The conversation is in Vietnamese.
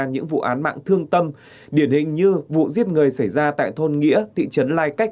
những vụ án mạng thương tâm điển hình như vụ giết người xảy ra tại thôn nghĩa thị trấn lai cách